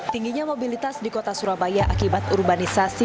tingginya mobilitas di kota surabaya akibat urbanisasi